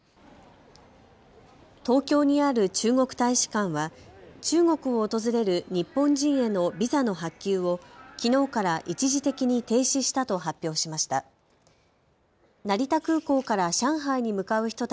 東京にある中国大使館は中国を訪れる日本人へのビザの発給をきのうから一時的に停止したと発表しました。